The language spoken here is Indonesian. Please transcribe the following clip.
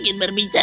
aku ingin berbicara